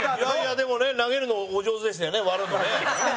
でもね、投げるのお上手でしたよね、割るのね。